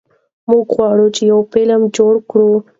موږ غواړو چې یو فلم جوړ کړو.